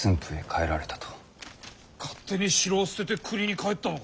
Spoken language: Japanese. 勝手に城を捨てて国に帰ったのか。